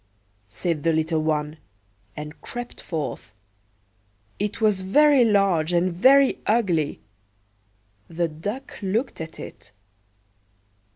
"Piep! piep!" said the little one, and crept forth. It was very large and very ugly. The Duck looked at it.